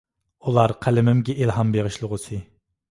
ئۇلار قەلىمىمگە ئىلھام بېغىشلىغۇسى.